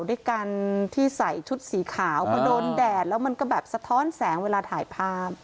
ด้วยการที่ใส่ชุดสีขาวพอโดนแดดแล้วมันก็แบบสะท้อนแสงเวลาถ่ายภาพ